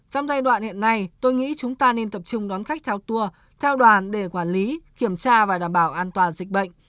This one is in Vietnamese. trong giai đoạn hiện nay tôi nghĩ chúng ta nên tập trung đón khách theo tour theo đoàn để quản lý kiểm tra và đảm bảo an toàn dịch bệnh